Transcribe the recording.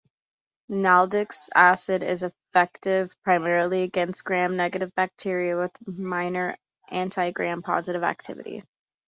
Nalidixic acid is effective primarily against gram-negative bacteria, with minor anti-gram-positive activity.